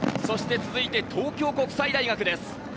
続いて東京国際大学です。